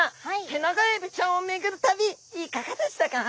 テナガエビちゃんを巡る旅いかがでしたか？